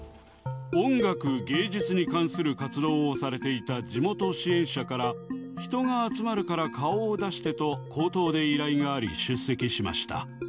音楽・芸術に関する活動をされていた地元支援者から、人が集まるから顔を出してと、口頭で依頼があり、出席しました。